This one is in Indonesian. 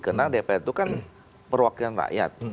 karena dpr itu kan perwakilan rakyat